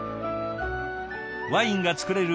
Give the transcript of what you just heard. ワインが造れる